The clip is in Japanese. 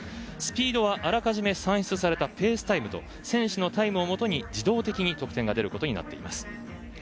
スピードはあらかじめ算出されたペースタイムと選手のタイムをもとに自動的に得点が出ることになっています。